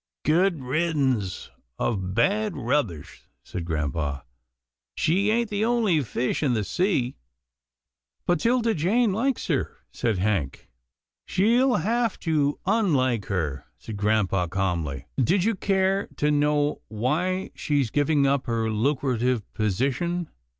" Good riddance of bad rubbish," said grampa. " She ain't the only fish in the sea." " But 'Tilda Jane likes her," said Hank. " She'll have to unlike her," said grampa calmly. Do you care to know why she's giving up her lucrative position?"